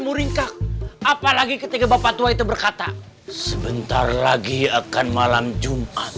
muringkak apalagi ketika bapak tua itu berkata sebentar lagi akan malam jumat mimpi buruk itu